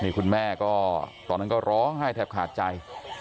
นี่คุณแม่ก็ตอนนั้นก็ร้องไห้แทบขาดใจ